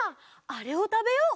あれをたべよう。